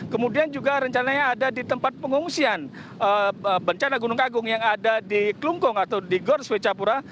kemudian juga rencananya ada di tempat pengungsian bencana gunung kagung yang ada di klungkong atau di gor swecapura